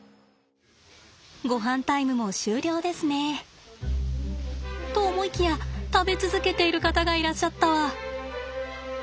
ごはんタイムも終了ですね。と思いきや食べ続けている方がいらっしゃったわ。